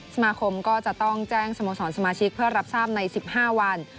สมาคมก็จะต้องแจ้งสโมสรสมาชิกเพื่อรับทราบใน๑๕วัน